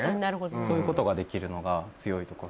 そういうことができるのが強いところ。